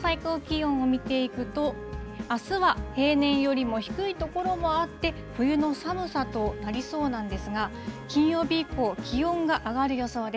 最高気温を見ていくと、あすは平年よりも低い所もあって、冬の寒さとなりそうなんですが、金曜日以降、気温が上がる予想です。